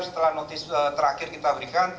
setelah notice terakhir kita berikan